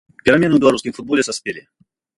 Перамены ў беларускім футболе саспелі.